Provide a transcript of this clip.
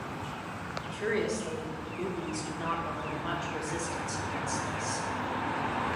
Curiously, the boobies do not offer much resistance against this.